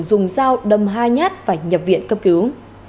dùng dao đâm hai nhát và nhập viện cấp cứu